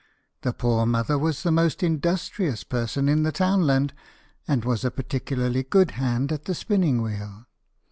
The poor mother was the most industrious person in the townland, and was a particularly good hand at the spinning wheel.